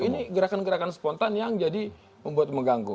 ini gerakan gerakan spontan yang jadi membuat mengganggu